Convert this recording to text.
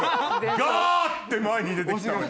ガ！って前に出て来たわね